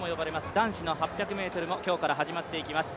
男子の８００ｍも今日から始まっていきます。